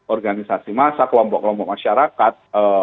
organisasi masa kelompok kelompok masyarakat